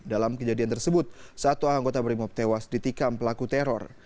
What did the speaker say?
dalam kejadian tersebut satu anggota brimop tewas ditikam pelaku teror